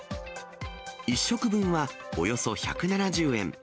１食分はおよそ１７０円。